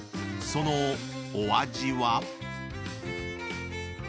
［そのお味は？］